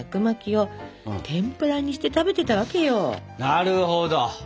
なるほど！